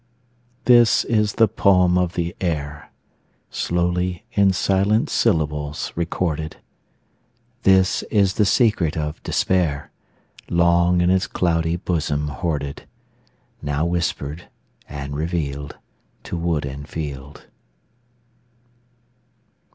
This is the poem of the air, Slowly in silent syllables recorded; This is the secret of despair, Long in its cloudy bosom hoarded, Now whispered and revealed To wood and field.